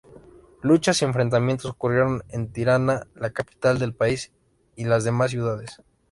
Luchas y enfrentamientos ocurrieron en Tirana, la capital del país, y las demás ciudades.